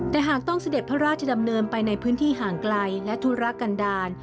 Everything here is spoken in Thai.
แต่หากต้องเสด็จพระราชดำเนินไปในพื้นที่ห่างไกลและธุระกันดาล